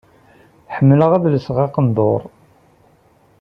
Ḥemmleɣ ad lseɣ aqendur.